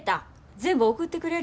全部送ってくれる？